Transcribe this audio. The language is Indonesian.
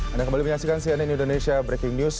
anda kembali menyaksikan cnn indonesia breaking news